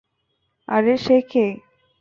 আরে, সে কে?